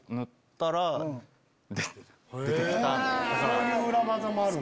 そういう裏技もあるんだ。